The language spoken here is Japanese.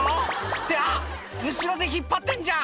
「ってあっ後ろで引っ張ってんじゃん！」